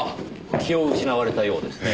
気を失われたようですね。